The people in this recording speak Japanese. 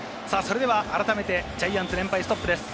改めてジャイアンツ、連敗ストップです。